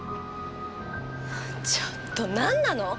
ちょっとなんなの？